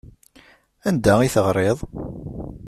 Anda i teɣriḍ?